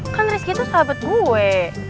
kan risky tuh sahabat gue